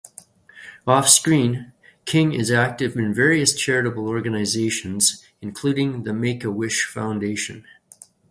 Off-screen King is active in various charitable organizations, including The Make-A-Wish Foundation.